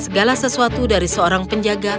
segala sesuatu dari seorang penjaga